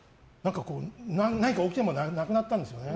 何か大きいものがなくなったんですよね。